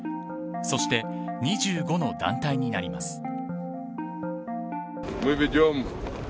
そして２５の団体になります。